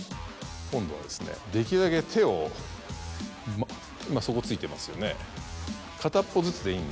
今度はできるだけ手を今そこ突いてますよね。